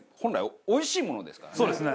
そうですね。